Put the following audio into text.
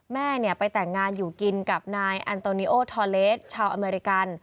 แม่ไปแต่งงานอยู่กินกับนายอันโตนิโอทอเลสชาวอเมริกัน